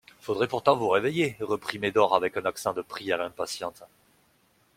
Faudrait pourtant vous réveiller, reprit Médor avec un accent de prière impatiente.